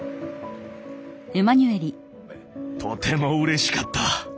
とてもうれしかった。